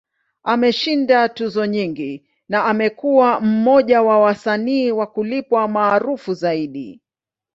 Ameshinda tuzo nyingi, na amekuwa mmoja wa wasanii wa kulipwa maarufu zaidi.